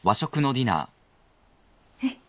えっ。